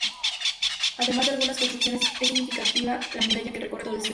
Además de algunas construcciones es significativa la muralla que recorre todo el cerro.